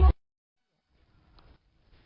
พร้อมพร้อมพร้อม